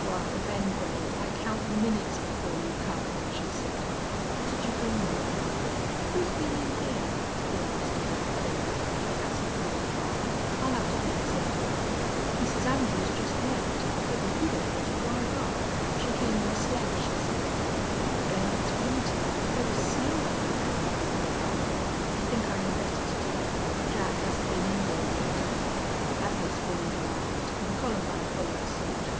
"Why, Ben Wade, I count the minutes before you come," she said. "What'd you bring me?" "Who's been in here?" he asked, going forward. "That's a poor fire. I'll have to fix it." "Mrs. Andrews just left. It was good of her to drive up. She came in the sled, she said. Oh, Ben, it's winter. There was snow on my bed when I woke up. I think I am better to day. Jack hasn't been in here yet!" At this Wade laughed, and Columbine followed suit.